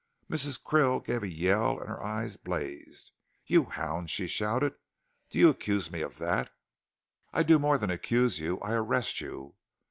Mrs. Krill gave a yell and her eyes blazed. "You hound!" she shouted, "do you accuse me of that?" "I do more than accuse you, I arrest you."